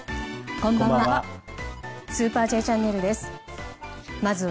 こんばんは。